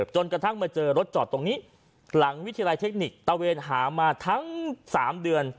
จนกระทั่งมาเจอรถจอดตรงนี้หลังวิทยาลัยเทคนิคตะเวนหามาทั้ง๓เดือน